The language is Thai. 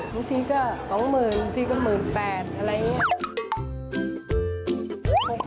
บางทีก็๒๐๐๐บางทีก็๑๘๐๐๐อะไรอย่างนี้